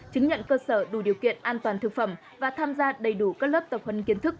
chứng nhận cơ sở đủ điều kiện an toàn thực phẩm và tham gia đầy đủ các lớp tập huấn kiến thức